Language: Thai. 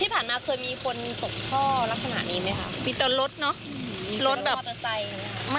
ที่ผ่านมาเคยมีคนตกท่อลักษณะเองไหมคะ